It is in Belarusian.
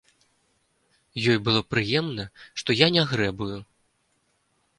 Ёй было прыемна, што я не грэбую.